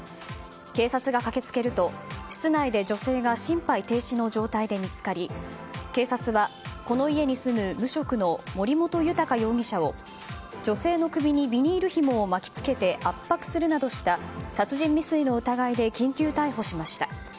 警察が駆けつけると室内で女性が心肺停止の状態で見つかり警察は、この家に住む無職の森本裕容疑者を女性の首にビニールひもを巻き付けて圧迫するなどした殺人未遂の疑いで緊急逮捕しました。